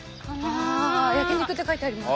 あ「焼肉」って書いてありますよ。